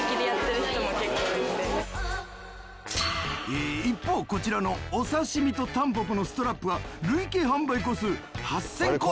えー一方こちらのお刺身とたんぽぽのストラップは累計販売個数８０００個。